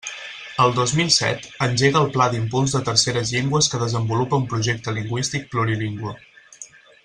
El dos mil set, engega el Pla d'Impuls de Terceres Llengües que desenvolupa un projecte lingüístic plurilingüe.